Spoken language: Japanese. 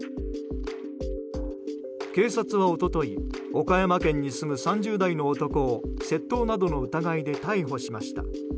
警察は一昨日岡山県に住む３０代の男を窃盗などの疑いで逮捕しました。